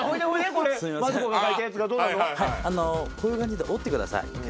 こういう感じで折ってください。